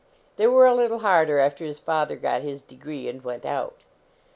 The} were a little harder after his father got his degree and went out.